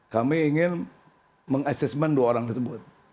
kami ingin meng assessment dua orang tersebut